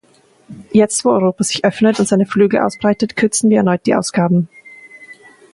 Jetzt, wo Europa sich öffnet und seine Flügel ausbreitet, kürzen wir erneut die Ausgaben.